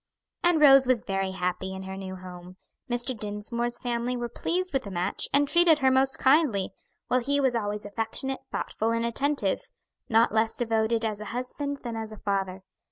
And Rose was very happy in her new home. Mr. Dinsmore's family were pleased with the match and treated her most kindly, while he was always affectionate, thoughtful, and attentive; not less devoted as a husband than as a father.